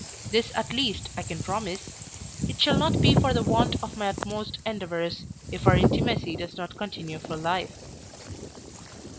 This at least I can promise It shall not be for the want of my utmost endeavours, if our intimacy does not continue for life.